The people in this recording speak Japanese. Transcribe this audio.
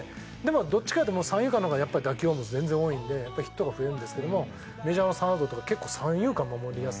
どっちかっていうと三遊間の方がやっぱ打球は全然多いんでやっぱりヒットが増えるんですけどもメジャーはサードとか結構三遊間守りやすいんで。